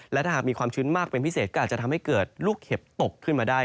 และถ้าหากมีความชื้นมากเป็นพิเศษก็อาจจะทำให้เกิดลูกเห็บตกขึ้นมาได้